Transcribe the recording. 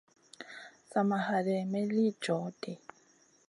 Sa ma haɗeyn may li joh ɗi.